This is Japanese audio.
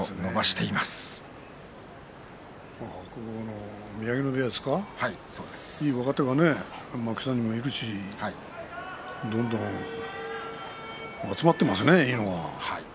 いい若手が幕下にもいるしどんどん集まっていますねいいのが。